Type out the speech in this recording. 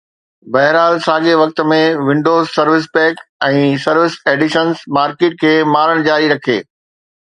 بهرحال، ساڳئي وقت ۾، Windows service pack ۽ server editions market کي مارڻ جاري رکي